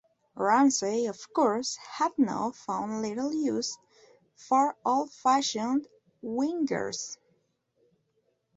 Ramsey, of course, had now found little use for "old-fashioned" wingers.